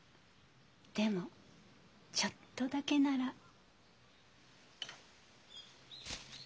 でもちょっとだけなら。